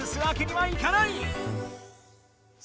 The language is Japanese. はい。